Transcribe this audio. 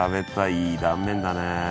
いい断面だね。